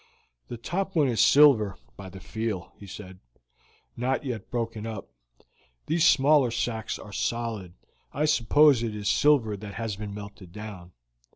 "The top one is silver by the feel," he said, "not yet broken up; these smaller sacks are solid. I suppose it is silver that has been melted down.